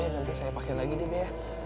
nanti saya pake lagi be